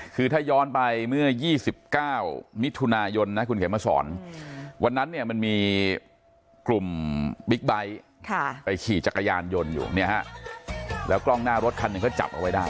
คือถ้าย้อนไปเรื่องเมื่อ๒๙นทุนายนนะ